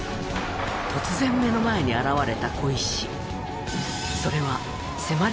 突然目の前に現れた小石。